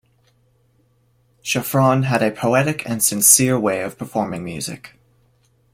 Shafran had a poetic and sincere way of performing music.